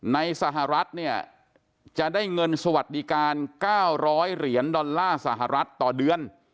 ในสหรัฐเนี่ยจะได้เงินสวัสดิการ๙๐๐เหรียญดอลลาร์สหรัฐต่อเดือน